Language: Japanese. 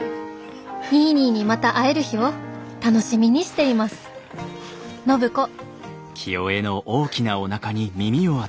「ニーニーにまた会える日を楽しみにしています暢子」。